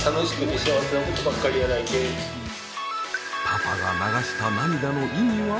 パパが流した涙の意味は？